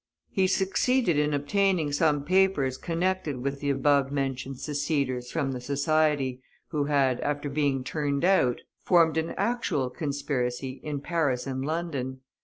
He succeeded in obtaining some papers connected with the above mentioned seceders from the society, who had, after being turned out, formed an actual conspiracy in Paris and London.